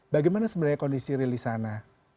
bagaimana sebenarnya kondisi rilis sana